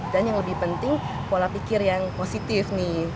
dan yang lebih penting pola pikir yang positif nih